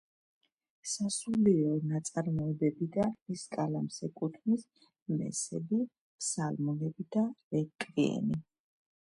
სასულიერო ნაწარმოებებიდან მის კალამს ეკუთვნის მესები, ფსალმუნები და რეკვიემი.